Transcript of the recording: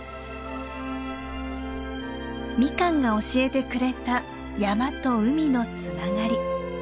ミカンが教えてくれた山と海のつながり。